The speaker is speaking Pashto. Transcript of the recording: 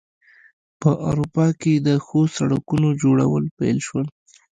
په اروپا کې د ښو سړکونو جوړول پیل شول.